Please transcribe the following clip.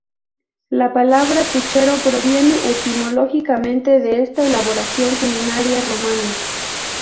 La palabra puchero proviene etimológicamente de esta elaboración culinaria romana.